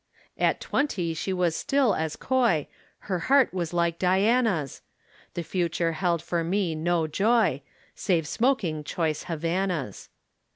At twenty she was still as coy, Her heart was like Diana's. The future held for me no joy, Save smoking choice Havanas.